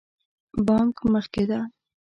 بانک مخکې ده